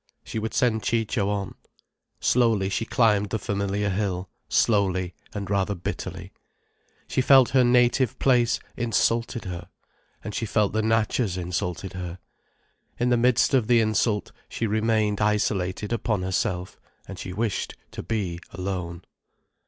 She would send Ciccio on. Slowly she climbed the familiar hill—slowly—and rather bitterly. She felt her native place insulted her: and she felt the Natchas insulted her. In the midst of the insult she remained isolated upon herself, and she wished to be alone.